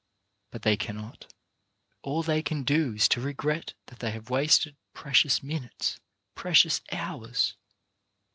But they cannot. All they can do is to regret that they have wasted precious minutes, precious hours.